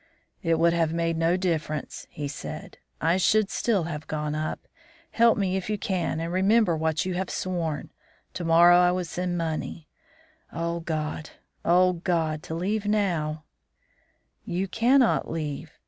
"'It would have made no difference,' he said. 'I should still have gone up. Help me, if you can, and remember what you have sworn. To morrow I will send money. O God! O God! to leave now ' "'You cannot leave.